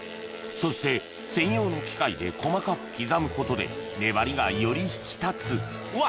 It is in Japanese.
そして専用の機械で細かく刻むことで粘りがより引き立つうわ！